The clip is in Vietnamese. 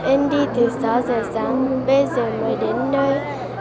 em đi từ sáu giờ sáng bây giờ mới đến nơi